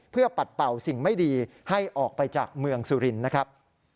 เพื่อปัดเป่าสิ่งไม่ดีให้ออกไปจากเมืองสุรินทร์นะครับ